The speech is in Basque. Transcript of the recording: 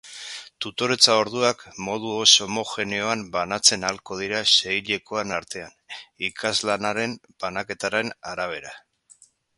Tutoretza-orduak modu ez-homogeneoan banatzen ahalko dira seihilekoen artean, irakaslanaren banaketaren arabera.